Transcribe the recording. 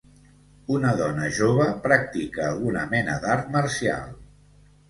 Una dona jove practica alguna mena d'art marcial.